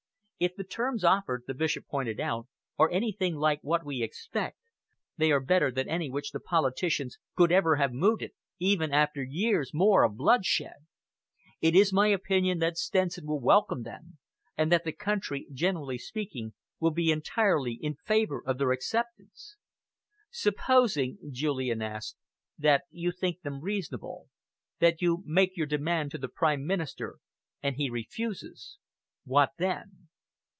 "If the terms offered," the Bishop pointed out, "are anything like what we expect, they are better than any which the politicians could ever have mooted, even after years more of bloodshed. It is my opinion that Stenson will welcome them, and that the country, generally speaking, will be entirely in favour of their acceptance." "Supposing," Julian asked, "that you think them reasonable, that you make your demand to the Prime Minister, and he refuses. What then?"